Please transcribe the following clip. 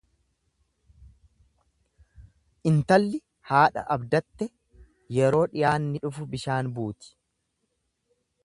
Intalli haadha abdatte yeroo dhiyaanni dhufu bishaan buuti.